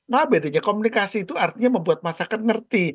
maaf bedanya komunikasi itu artinya membuat masyarakat ngerti